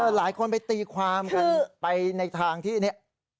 หลายคนไปตีความกันไปในทางที่เนี่ย